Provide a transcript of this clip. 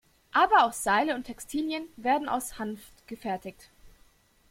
Aber auch Seile und Textilien werden aus Hanf gefertigt.